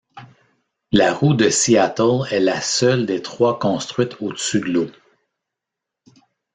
La roue de Seattle est la seule des trois construites au-dessus de l'eau.